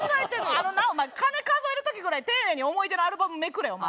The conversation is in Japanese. あのなお前金数える時ぐらい丁寧に思い出のアルバムめくれお前。